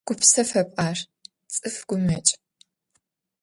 Гупсэфэп ар, цӏыф гумэкӏ.